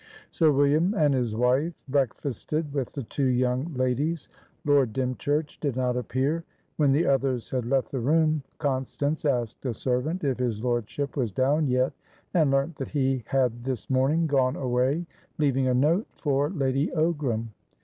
Sir William and his wife breakfasted with the two young ladies. Lord Dymchurch did not appear. When the others had left the room, Constance asked a servant if his lordship was down yet, and learnt that he had this morning gone away, leaving a note for Lady Ogram.